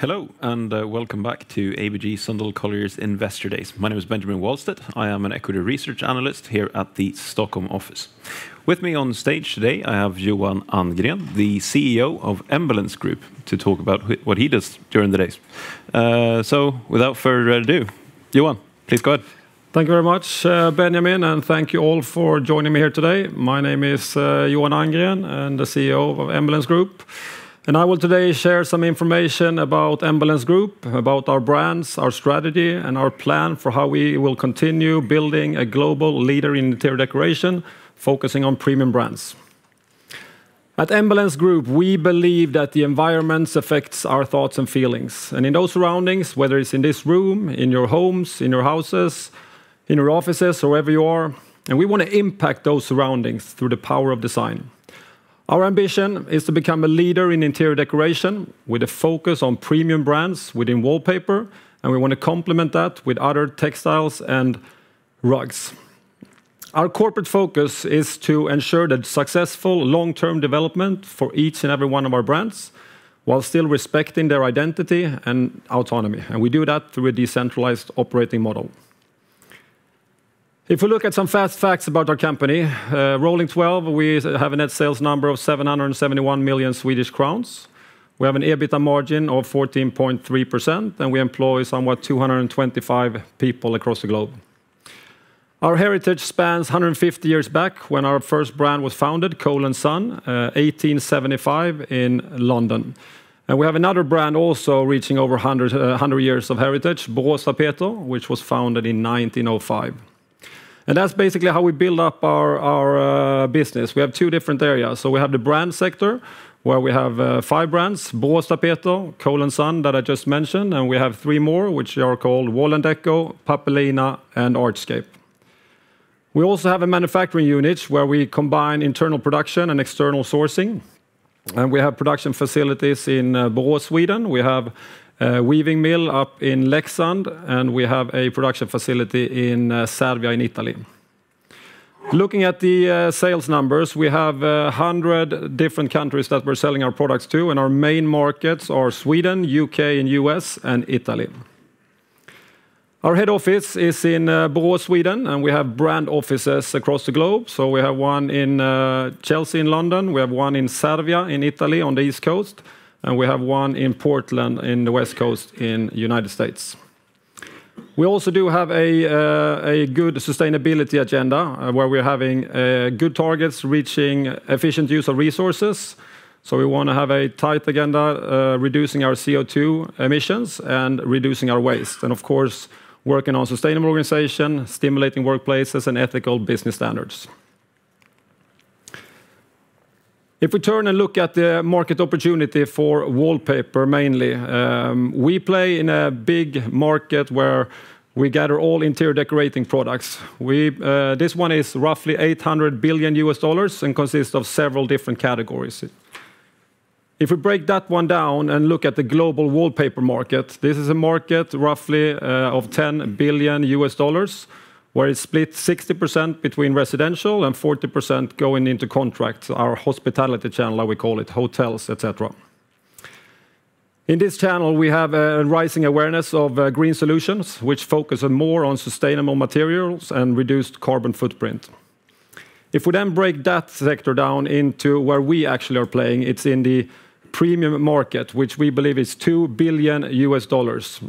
Hello and welcome back to ABG Sundal Collier Investor Days. My name is Benjamin Wahlstedt. I am an equity research analyst here at the Stockholm office. With me on stage today, I have Johan Andgren, the CEO of Embellence Group, to talk about what he does during the days. So, without further ado, Johan, please go ahead. Thank you very much, Benjamin, and thank you all for joining me here today. My name is Johan Andgren and the CEO of Embellence Group. I will today share some information about Embellence Group, about our brands, our strategy, and our plan for how we will continue building a global leader in interior decoration, focusing on premium brands. At Embellence Group, we believe that the environment affects our thoughts and feelings. In those surroundings, whether it's in this room, in your homes, in your houses, in your offices, wherever you are, and we want to impact those surroundings through the power of design. Our ambition is to become a leader in interior decoration with a focus on premium brands within wallpaper, and we want to complement that with other textiles and rugs. Our corporate focus is to ensure that successful long-term development for each and every one of our brands while still respecting their identity and autonomy. And we do that through a decentralized operating model. If we look at some fast facts about our company, rolling 12, we have a net sales number of 771 million Swedish crowns. We have an EBITDA margin of 14.3%, and we employ somewhat 225 people across the globe. Our heritage spans 150 years back when our first brand was founded, Cole & Son, 1875 in London. And we have another brand also reaching over 100 years of heritage, Boråstapeter, which was founded in 1905. And that's basically how we build up our business. We have two different areas. So we have the brand sector where we have five brands, Boråstapeter, Cole & Son that I just mentioned, and we have three more which are called Wall&decò, Pappelina, and Artscape. We also have a manufacturing unit where we combine internal production and external sourcing. We have production facilities in Borås, Sweden. We have a weaving mill up in Leksand, and we have a production facility in Cervia in Italy. Looking at the sales numbers, we have 100 different countries that we're selling our products to, and our main markets are Sweden, UK, and US, and Italy. Our head office is in Borås, Sweden, and we have brand offices across the globe. So we have one in Chelsea in London, we have one in Cervia in Italy on the East Coast, and we have one in Portland in the West Coast in the United States. We also do have a good sustainability agenda where we're having good targets reaching efficient use of resources. So we want to have a tight agenda reducing our CO2 emissions and reducing our waste. And of course, working on sustainable organization, stimulating workplaces, and ethical business standards. If we turn and look at the market opportunity for wallpaper mainly, we play in a big market where we gather all interior decorating products. This one is roughly $800 billion and consists of several different categories. If we break that one down and look at the global wallpaper market, this is a market roughly of $10 billion where it's split 60% between residential and 40% going into contracts, our hospitality channel, we call it hotels, etc. In this channel, we have a rising awareness of green solutions which focus more on sustainable materials and reduced carbon footprint. If we then break that sector down into where we actually are playing, it's in the premium market which we believe is $2 billion.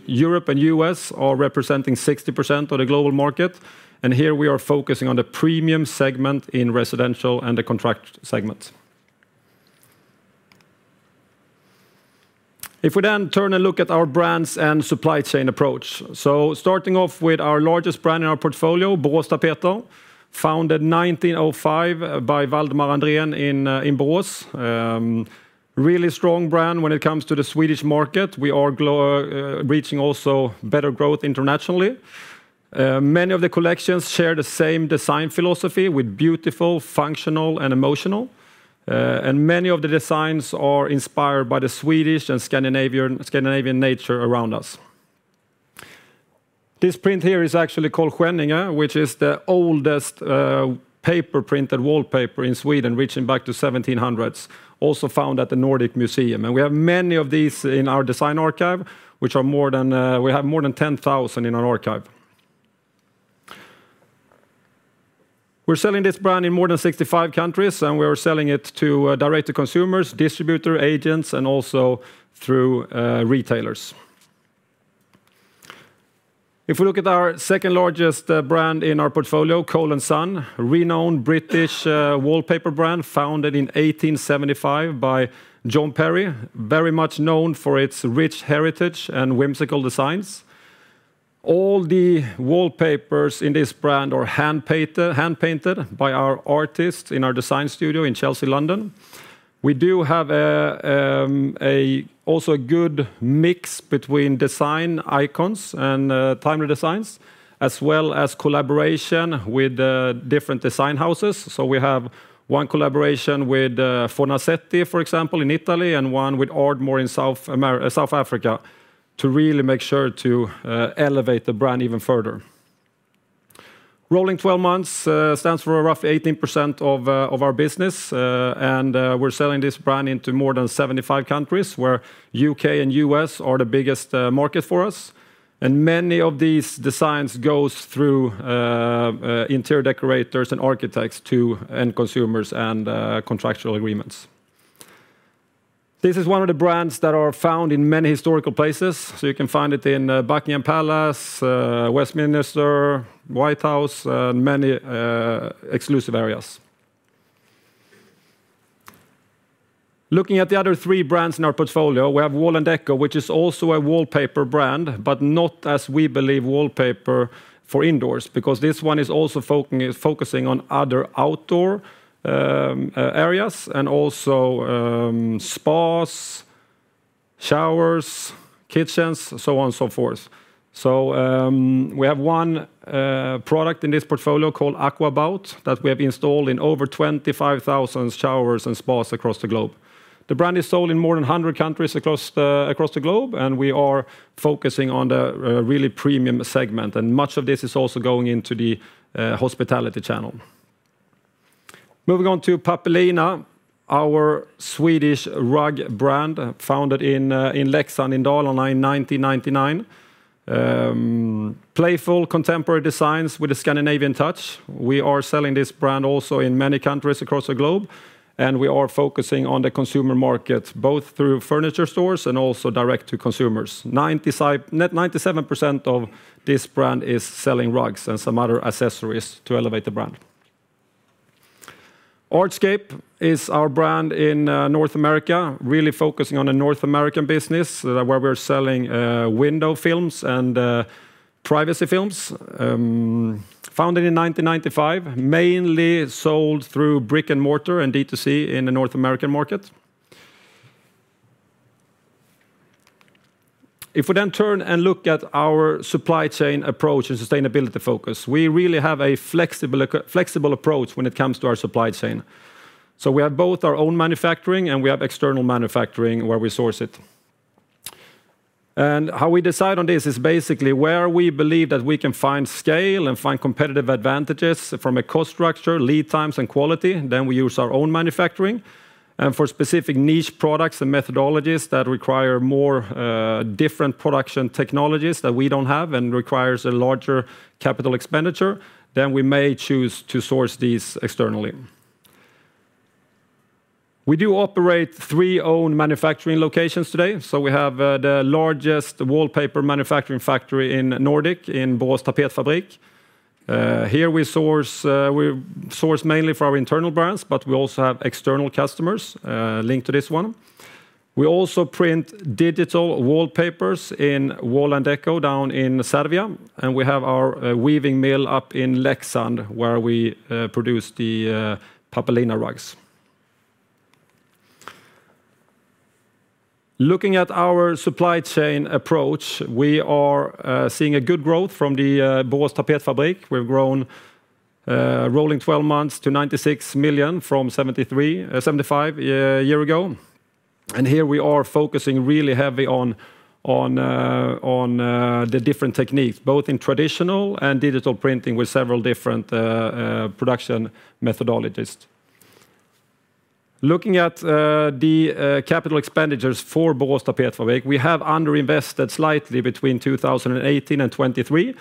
Europe and U.S. are representing 60% of the global market, and here we are focusing on the premium segment in residential and the contract segment. If we then turn and look at our brands and supply chain approach. So starting off with our largest brand in our portfolio, Boråstapeter, founded 1905 by Waldemar Andrén in Borås. Really strong brand when it comes to the Swedish market. We are reaching also better growth internationally. Many of the collections share the same design philosophy with beautiful, functional, and emotional. And many of the designs are inspired by the Swedish and Scandinavian nature around us. This print here is actually called Rosenvinge, which is the oldest paper printed wallpaper in Sweden reaching back to the 1700s, also found at the Nordiska museet. And we have many of these in our design archive, which are more than 10,000 in our archive. We're selling this brand in more than 65 countries, and we are selling it to direct-to-consumers, distributor agents, and also through retailers. If we look at our second largest brand in our portfolio, Cole & Son, a renowned British wallpaper brand founded in 1875 by John Perry, very much known for its rich heritage and whimsical designs. All the wallpapers in this brand are hand-painted by our artists in our design studio in Chelsea, London. We do have also a good mix between design icons and timely designs, as well as collaboration with different design houses. So we have one collaboration with Fornasetti, for example, in Italy, and one with Ardmore in South Africa to really make sure to elevate the brand even further. Rolling 12 months stands for roughly 18% of our business, and we're selling this brand into more than 75 countries where U.K. and U.S. are the biggest market for us. And many of these designs go through interior decorators and architects to end consumers and contractual agreements. This is one of the brands that are found in many historical places. So you can find it in Buckingham Palace, Westminster, White House, and many exclusive areas. Looking at the other three brands in our portfolio, we have Wall&decò, which is also a wallpaper brand, but not as we believe wallpaper for indoors, because this one is also focusing on other outdoor areas and also spas, showers, kitchens, so on and so forth. We have one product in this portfolio called AQUABOUT Wet System that we have installed in over 25,000 showers and spas across the globe. The brand is sold in more than 100 countries across the globe, and we are focusing on the really premium segment. And much of this is also going into the hospitality channel. Moving on to Pappelina, our Swedish rug brand founded in Leksand in Dalarna in 1999. Playful contemporary designs with a Scandinavian touch. We are selling this brand also in many countries across the globe, and we are focusing on the consumer market both through furniture stores and also direct to consumers. 97% of this brand is selling rugs and some other accessories to elevate the brand. Artscape is our brand in North America, really focusing on a North American business where we're selling window films and privacy films. Founded in 1995, mainly sold through brick and mortar and D2C in the North American market. If we then turn and look at our supply chain approach and sustainability focus, we really have a flexible approach when it comes to our supply chain. We have both our own manufacturing and we have external manufacturing where we source it. And how we decide on this is basically where we believe that we can find scale and find competitive advantages from a cost structure, lead times, and quality. Then we use our own manufacturing. And for specific niche products and methodologies that require more different production technologies that we don't have and require a larger capital expenditure, then we may choose to source these externally. We do operate three own manufacturing locations today. We have the largest wallpaper manufacturing factory in the Nordics in Borås Tapetfabrik. Here we source mainly for our internal brands, but we also have external customers linked to this one. We also print digital wallpapers in Wall&decò down in Cervia, and we have our weaving mill up in Leksand where we produce the Pappelina rugs. Looking at our supply chain approach, we are seeing a good growth from the Borås Tapetfabrik. We've grown rolling 12 months to 96 million from 75 a year ago. And here we are focusing really heavy on the different techniques, both in traditional and digital printing with several different production methodologies. Looking at the capital expenditures for Borås Tapetfabrik, we have underinvested slightly between 2018 and 2023.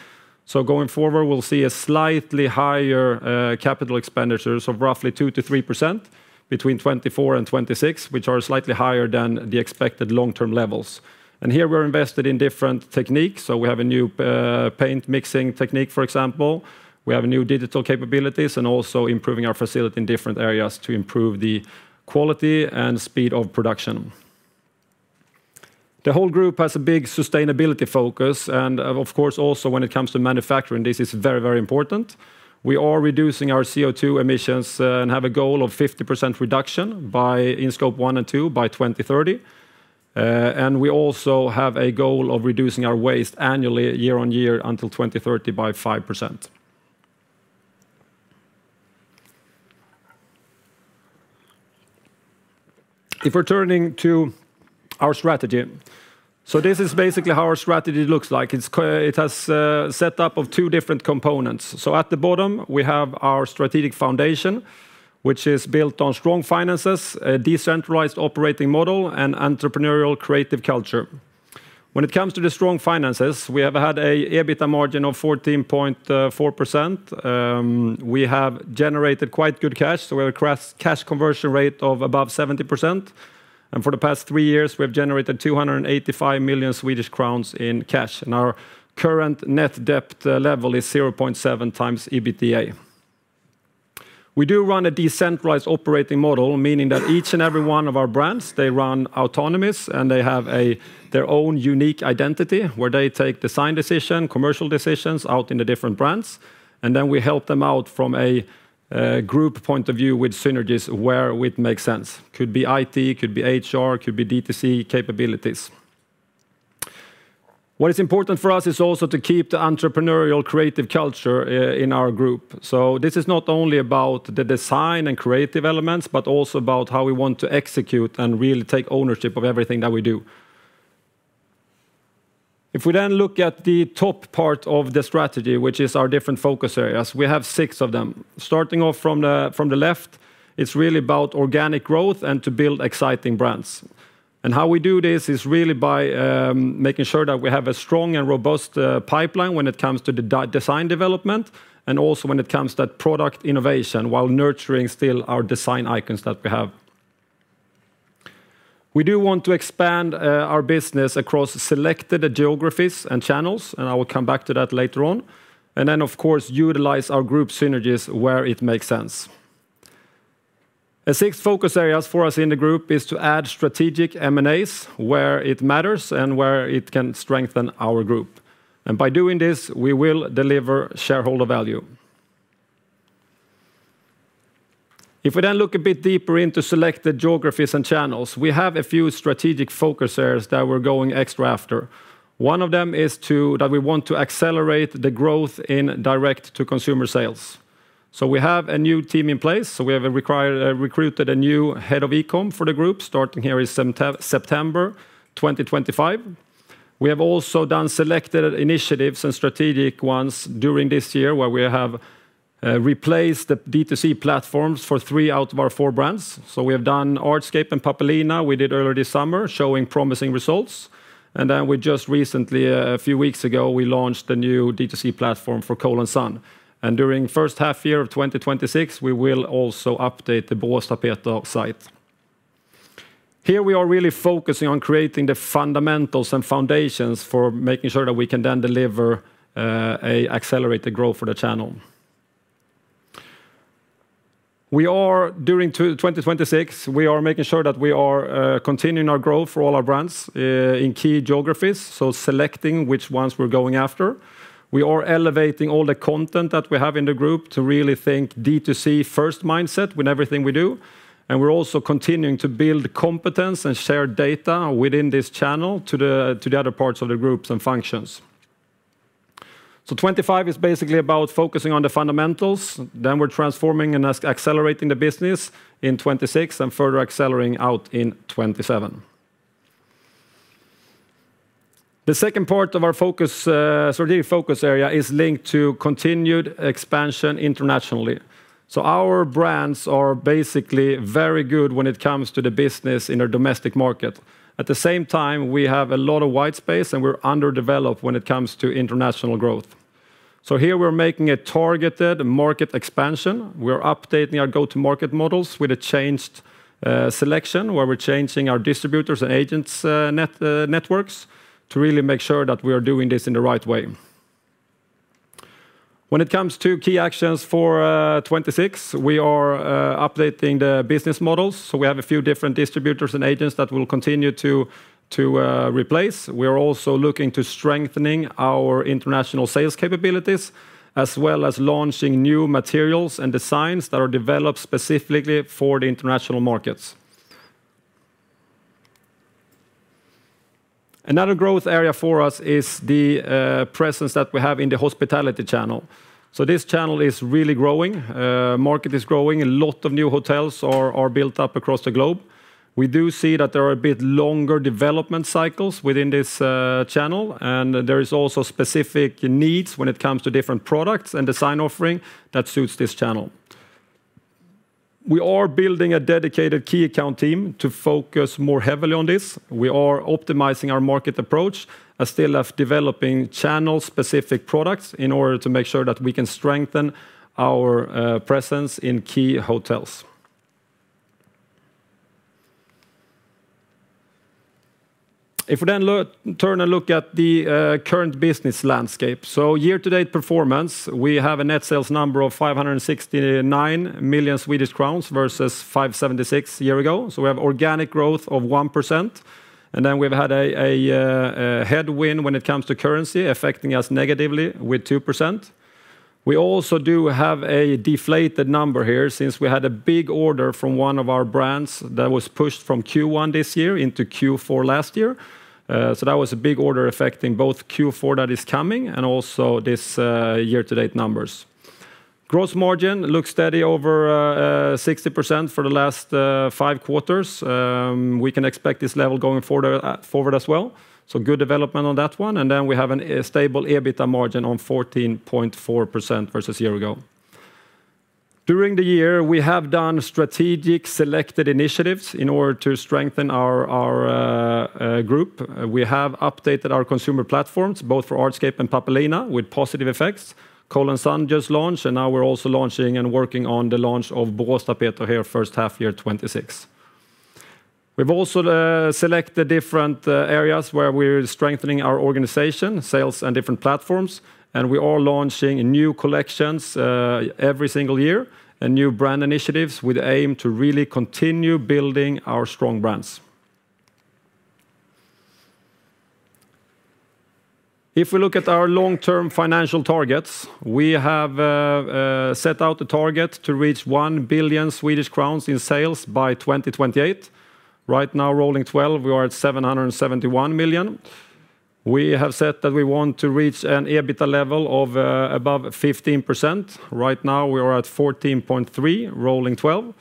So going forward, we'll see a slightly higher capital expenditures of roughly 2%-3% between 2024 and 2026, which are slightly higher than the expected long-term levels. And here we're invested in different techniques. We have a new paint mixing technique, for example. We have new digital capabilities and also improving our facility in different areas to improve the quality and speed of production. The whole group has a big sustainability focus. And of course, also when it comes to manufacturing, this is very, very important. We are reducing our CO2 emissions and have a goal of 50% reduction in Scope 1 and Scope 2 by 2030. We also have a goal of reducing our waste annually year on year until 2030 by 5%. We're turning to our strategy, so this is basically how our strategy looks like. It has a setup of two different components. At the bottom, we have our strategic foundation, which is built on strong finances, a decentralized operating model, and entrepreneurial creative culture. When it comes to the strong finances, we have had an EBITDA margin of 14.4%. We have generated quite good cash, so we have a cash conversion rate of above 70%. And for the past three years, we have generated 285 million Swedish crowns in cash. And our current net debt level is 0.7x times EBITDA. We do run a decentralized operating model, meaning that each and every one of our brands, they run autonomous and they have their own unique identity where they take design decisions, commercial decisions out in the different brands. And then we help them out from a group point of view with synergies where it makes sense. It could be IT, it could be HR, it could be D2C capabilities. What is important for us is also to keep the entrepreneurial creative culture in our group. So this is not only about the design and creative elements, but also about how we want to execute and really take ownership of everything that we do. If we then look at the top part of the strategy, which is our different focus areas, we have six of them. Starting off from the left, it's really about organic growth and to build exciting brands, and how we do this is really by making sure that we have a strong and robust pipeline when it comes to the design development and also when it comes to product innovation while nurturing still our design icons that we have. We do want to expand our business across selected geographies and channels, and I will come back to that later on, and then, of course, utilize our group synergies where it makes sense. A sixth focus area for us in the group is to add strategic M&As where it matters and where it can strengthen our group, and by doing this, we will deliver shareholder value. If we then look a bit deeper into selected geographies and channels, we have a few strategic focus areas that we're going extra after. One of them is that we want to accelerate the growth in direct-to-consumer sales, so we have a new team in place, so we have recruited a new head of e-comm for the group starting here in September 2025. We have also done selected initiatives and strategic ones during this year where we have replaced the D2C platforms for three out of our four brands, so we have done Artscape and Pappelina we did earlier this summer, showing promising results. Then we just recently, a few weeks ago, we launched the new D2C platform for Cole & Son. During the first half year of 2026, we will also update the Boråstapeter site. Here we are really focusing on creating the fundamentals and foundations for making sure that we can then deliver an accelerated growth for the channel. During 2026, we are making sure that we are continuing our growth for all our brands in key geographies, so selecting which ones we're going after. We are elevating all the content that we have in the group to really think D2C first mindset with everything we do. And we're also continuing to build competence and share data within this channel to the other parts of the groups and functions. 2025 is basically about focusing on the fundamentals. Then we're transforming and accelerating the business in 2026 and further accelerating out in 2027. The second part of our strategic focus area is linked to continued expansion internationally. So our brands are basically very good when it comes to the business in our domestic market. At the same time, we have a lot of white space and we're underdeveloped when it comes to international growth. So here we're making a targeted market expansion. We're updating our go-to-market models with a changed selection where we're changing our distributors and agents' networks to really make sure that we are doing this in the right way. When it comes to key actions for 2026, we are updating the business models. So we have a few different distributors and agents that we'll continue to replace. We are also looking to strengthen our international sales capabilities, as well as launching new materials and designs that are developed specifically for the international markets. Another growth area for us is the presence that we have in the hospitality channel. So this channel is really growing. The market is growing. A lot of new hotels are built up across the globe. We do see that there are a bit longer development cycles within this channel, and there are also specific needs when it comes to different products and design offerings that suit this channel. We are building a dedicated key account team to focus more heavily on this. We are optimizing our market approach and still developing channel-specific products in order to make sure that we can strengthen our presence in key hotels. If we then turn and look at the current business landscape, year-to-date performance, we have a net sales number of 569 million Swedish crowns versus 576 million a year ago. We have organic growth of 1%. We've had a headwind when it comes to currency affecting us negatively with 2%. We also do have a deflated number here since we had a big order from one of our brands that was pushed from Q1 this year into Q4 last year. That was a big order affecting both Q4 that is coming and also this year-to-date numbers. Gross margin looks steady over 60% for the last five quarters. We can expect this level going forward as well. Good development on that one. We have a stable EBITDA margin of 14.4% versus a year ago. During the year, we have done strategic selected initiatives in order to strengthen our group. We have updated our consumer platforms, both for Artscape and Pappelina, with positive effects. Cole & Son just launched, and now we're also launching and working on the launch of Boråstapeter in the first half of 2026. We've also selected different areas where we're strengthening our organization, sales, and different platforms. We are launching new collections every single year and new brand initiatives with the aim to really continue building our strong brands. If we look at our long-term financial targets, we have set out a target to reach 1 billion Swedish crowns in sales by 2028. Right now, rolling 12, we are at 771 million. We have said that we want to reach an EBITDA level of above 15%. Right now, we are at 14.3%, rolling 12.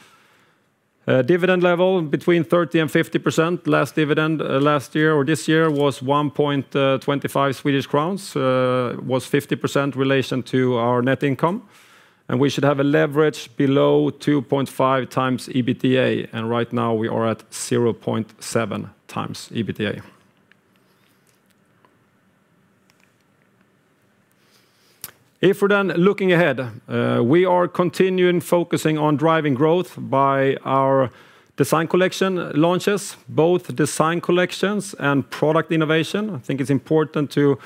Dividend level between 30% and 50%. last dividend last year or this year was 1.25 Swedish crowns, was 50% relation to our net income. We should have a leverage below 2.5x times EBITDA. Right now, we are at 0.7x times EBITDA. If we're then looking ahead, we are continuing focusing on driving growth by our design collection launches, both design collections and product innovation. I think it's important to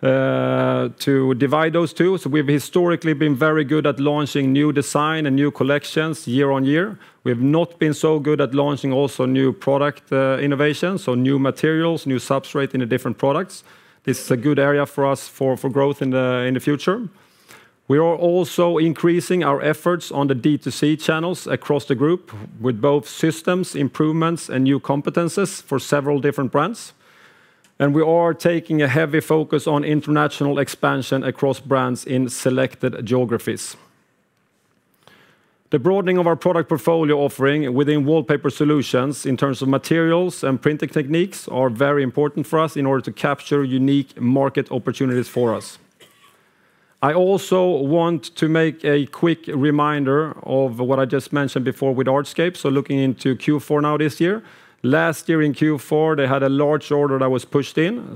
divide those two. We've historically been very good at launching new design and new collections year on year. We have not been so good at launching also new product innovations, so new materials, new substrates in different products. This is a good area for us for growth in the future. We are also increasing our efforts on the D2C channels across the group with both systems improvements and new competencies for several different brands. We are taking a heavy focus on international expansion across brands in selected geographies. The broadening of our product portfolio offering within Wallpaper Solutions in terms of materials and printing techniques is very important for us in order to capture unique market opportunities for us. I also want to make a quick reminder of what I just mentioned before with Artscape. Looking into Q4 now this year, last year in Q4, they had a large order that was pushed in.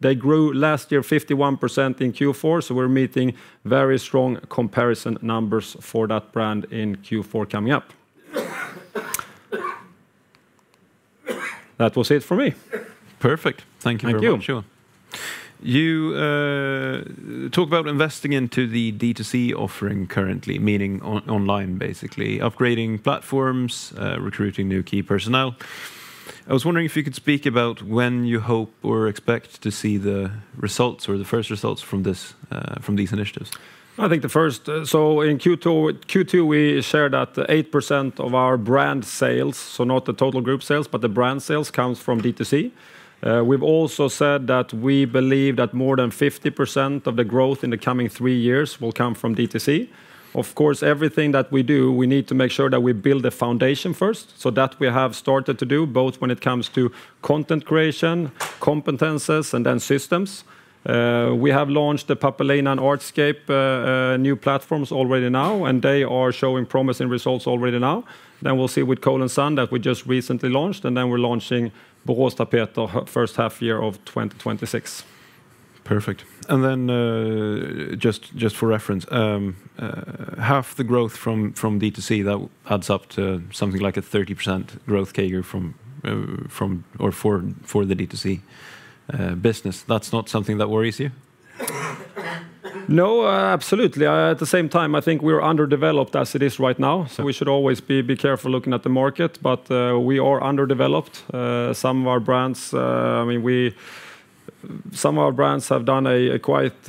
They grew last year 51% in Q4. We're meeting very strong comparison numbers for that brand in Q4 coming up. That was it for me. Perfect. Thank you very much. Thank you. You talk about investing into the D2C offering currently, meaning online, basically upgrading platforms, recruiting new key personnel. I was wondering if you could speak about when you hope or expect to see the results or the first results from these initiatives? I think the first, so in Q2, we shared that 8% of our brand sales, so not the total group sales, but the brand sales comes from D2C. We've also said that we believe that more than 50% of the growth in the coming three years will come from D2C. Of course, everything that we do, we need to make sure that we build a foundation first so that we have started to do both when it comes to content creation, competences, and then systems. We have launched the Pappelina and Artscape new platforms already now, and they are showing promising results already now. Then we'll see with Cole & Son that we just recently launched, and then we're launching Boråstapeter first half year of 2026. Perfect. And then just for reference, half the growth from D2C, that adds up to something like a 30% growth CAGR for the D2C business. That's not something that worries you? No, absolutely. At the same time, I think we are underdeveloped as it is right now. So we should always be careful looking at the market, but we are underdeveloped. Some of our brands, I mean, some of our brands have done a quite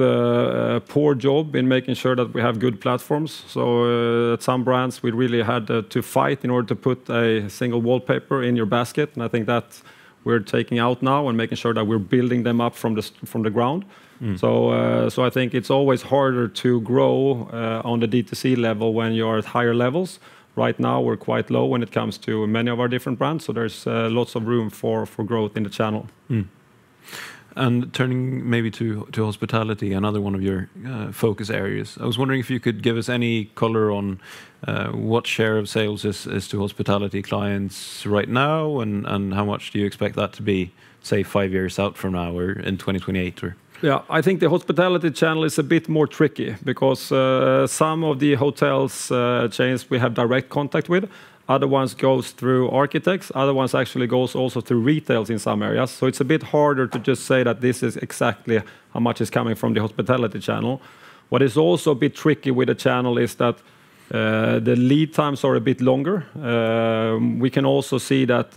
poor job in making sure that we have good platforms. So at some brands, we really had to fight in order to put a single wallpaper in your basket. And I think that we're taking out now and making sure that we're building them up from the ground. So I think it's always harder to grow on the D2C level when you are at higher levels. Right now, we're quite low when it comes to many of our different brands. So there's lots of room for growth in the channel. And turning maybe to hospitality, another one of your focus areas. I was wondering if you could give us any color on what share of sales is to hospitality clients right now and how much do you expect that to be, say, five years out from now or in 2028? Yeah, I think the hospitality channel is a bit more tricky because some of the hotel chains, we have direct contact with. Other ones go through architects. Other ones actually go also through retailers in some areas. So it's a bit harder to just say that this is exactly how much is coming from the hospitality channel. What is also a bit tricky with the channel is that the lead times are a bit longer. We can also see that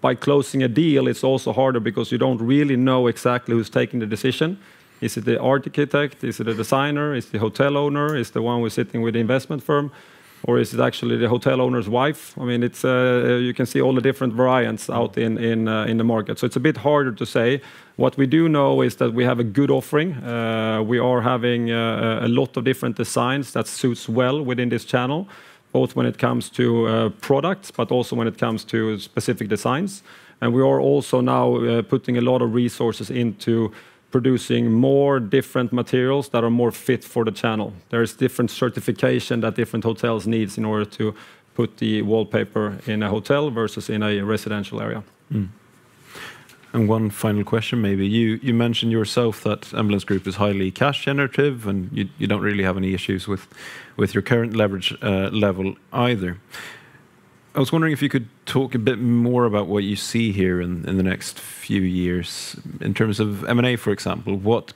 by closing a deal, it's also harder because you don't really know exactly who's taking the decision. Is it the architect? Is it a designer? Is it the hotel owner? Is it the one who's sitting with the investment firm? Or is it actually the hotel owner's wife? I mean, you can see all the different variants out in the market. So it's a bit harder to say. What we do know is that we have a good offering. We are having a lot of different designs that suit well within this channel, both when it comes to products, but also when it comes to specific designs. And we are also now putting a lot of resources into producing more different materials that are more fit for the channel. There is different certification that different hotels need in order to put the wallpaper in a hotel versus in a residential area. One final question, maybe. You mentioned yourself that Embellence Group is highly cash generative and you don't really have any issues with your current leverage level either. I was wondering if you could talk a bit more about what you see here in the next few years in terms of M&A, for example. What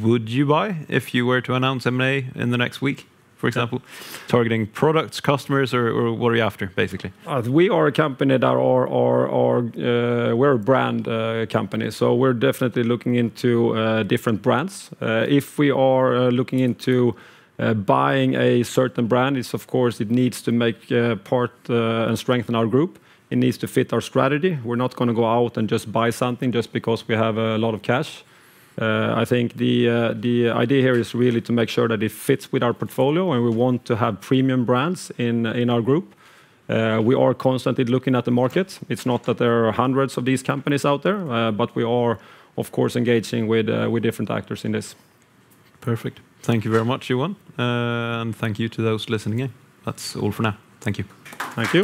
would you buy if you were to announce M&A in the next week, for example? Targeting products, customers, or what are you after, basically? We are a company that we're a brand company. So we're definitely looking into different brands. If we are looking into buying a certain brand, of course, it needs to make part and strengthen our group. It needs to fit our strategy. We're not going to go out and just buy something just because we have a lot of cash. I think the idea here is really to make sure that it fits with our portfolio and we want to have premium brands in our group. We are constantly looking at the market. It's not that there are hundreds of these companies out there, but we are, of course, engaging with different actors in this. Perfect. Thank you very much, Johan. And thank you to those listening in. That's all for now. Thank you. Thank you.